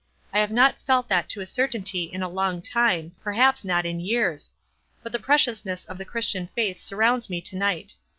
I have not felt that to a certainty in a long time, perhaps not in years ; but the pre ciousness of the Christian faith surrounds mo to night.